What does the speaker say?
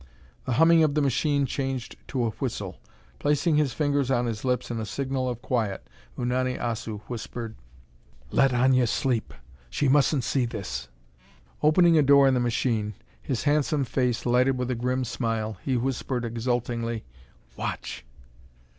The humming of the machine changed to a whistle. Placing his fingers on his lips in a signal of quiet, Unani Assu whispered: "Let Aña sleep. She mustn't see this." Opening a door in the machine, his handsome face lighted with a grim smile, he whispered exultingly: "Watch!"